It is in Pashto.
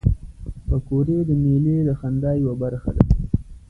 پکورې د میلې د خندا یوه برخه ده